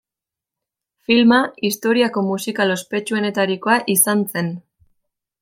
Filma historiako musikal ospetsuenetarikoa izan zen.